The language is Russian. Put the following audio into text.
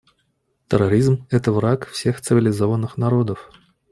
Терроризм — это враг всех цивилизованных народов.